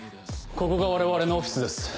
ここが我々のオフィスです。